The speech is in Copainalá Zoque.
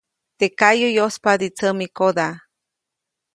Teʼ kayuʼ yospadi tsämikoda.